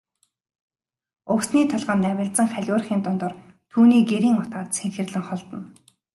Өвсний толгой намилзан халиурахын дундуур түүний гэрийн утаа цэнхэрлэн холдоно.